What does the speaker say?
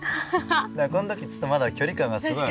この時ちょっとまだ距離感がすごいあったよね。